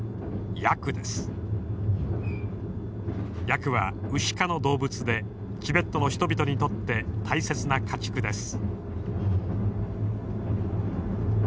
ヤクはウシ科の動物でチベットの人々にとって大切な家畜です。